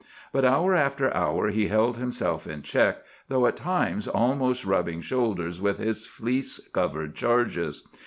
But hour after hour he held himself in check, though at times almost rubbing shoulders with his fleece covered charges.